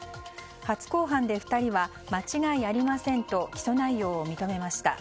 初公判で２人は間違いありませんと起訴内容を認めました。